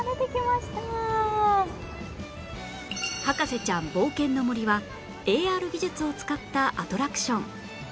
「博士ちゃん冒険の森」は ＡＲ 技術を使ったアトラクション